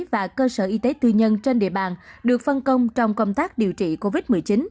và cơ sở y tế tư nhân trên địa bàn được phân công trong công tác điều trị covid một mươi chín